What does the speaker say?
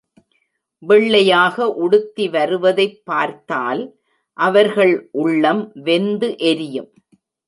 வெள்ளையாக உடுத்திவருவதைப் பார்த்தால் அவர்கள் உள்ளம் வெந்து எரியும்.